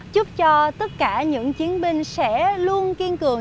chúc cho tất cả những chiến binh sẽ luôn kiên cường